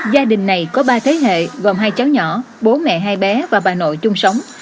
gia đình này có ba thế hệ gồm hai cháu nhỏ bố mẹ hai bé và bà nội chung sống